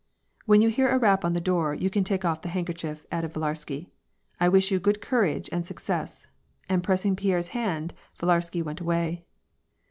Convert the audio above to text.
•^' When you hear a rap on the door you can take off the handkerchief," added Yillarsky. '* I wish you good courage and success." And pressing Pierre's hand, VUlarsky went away.